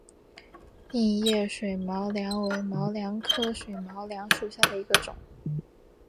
硬叶水毛茛为毛茛科水毛茛属下的一个种。